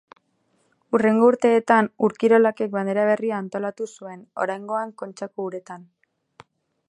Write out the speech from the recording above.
Hurrengo urteetan Ur-Kirolakek bandera berria antolatu zuen, oraingoan Kontxako uretan.